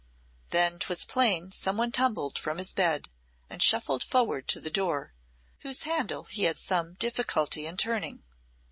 Then 'twas plain some one tumbled from his bed and shuffled forward to the door, whose handle he had some difficulty in turning.